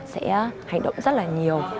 sẽ hành động rất là nhiều